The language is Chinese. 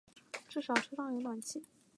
至少车上有暖气